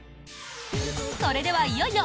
それではいよいよ！